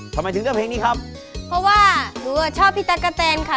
ทำไมถึงเลือกเพลงนี้ครับเพราะว่าหนูอ่ะชอบพี่ตั๊กกะแตนค่ะ